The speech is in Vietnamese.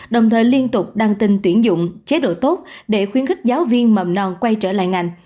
đồng thời liên tục đăng tin tuyển dụng chế độ tốt để khuyến khích giáo viên mầm non quay trở lại ngành